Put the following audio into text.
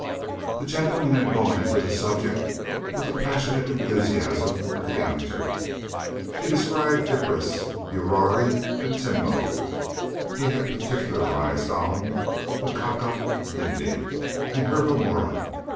That gentleman had gone into the subject with the passionate enthusiasm of the amateur. He had described icus, uirari and timbo. He had particularized upon makaka nimbi and hervamoura.